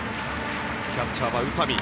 キャッチャーは宇佐見。